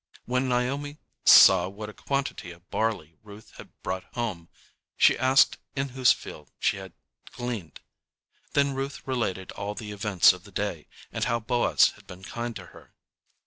When Naomi saw what a quantity of barley Ruth had brought home, she asked in whose field she had gleaned. Then Ruth related all the events of the day, and how Boaz had been kind to her.